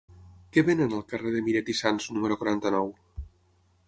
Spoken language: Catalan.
Què venen al carrer de Miret i Sans número quaranta-nou?